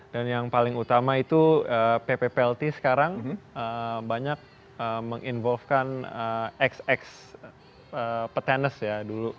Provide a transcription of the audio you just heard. dan yang paling utama itu ppplt sekarang banyak meng involvekan ex ex petenis ya